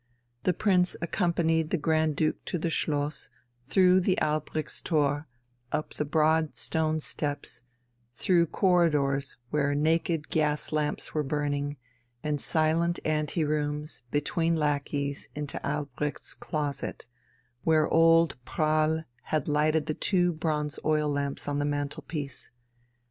The Prince accompanied the Grand Duke to the Schloss, through the Albrechtstor, up broad stone steps, through corridors where naked gas lamps were burning, and silent ante rooms, between lackeys into Albrecht's "closet," where old Prahl had lighted the two bronze oil lamps on the mantelpiece.